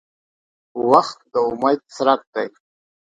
• وخت د امید څرک دی.